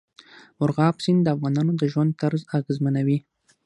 مورغاب سیند د افغانانو د ژوند طرز اغېزمنوي.